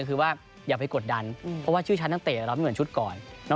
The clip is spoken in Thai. เพราะว่าชื่อชั้นนักเตสเราไม่เหมือนชุดก่อน